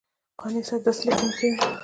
قانع صاحب داسې لیکنې کوه.